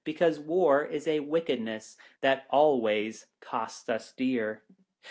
Because War is a wickedness that always costs us dear.